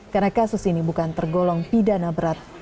karena kasus ini bukan tergolong pidana berat